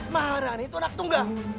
mahra ini itu anak tunggal